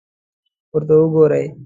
ورته وګورئ!